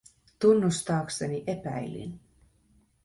Tunnustaakseni epäilin.